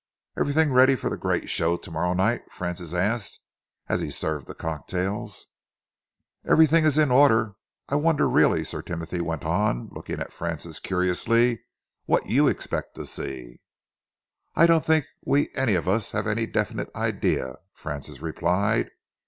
"Everything ready for the great show to morrow night?" Francis asked, as he served the cocktails. "Everything is in order. I wonder, really," Sir Timothy went on, looking at Francis curiously, "what you expect to see?" "I don't think we any of us have any definite idea," Francis replied.